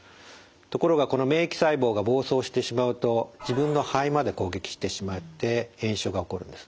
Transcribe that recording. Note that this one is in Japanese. ところがこの免疫細胞が暴走してしまうと自分の肺まで攻撃してしまって炎症が起こるんです。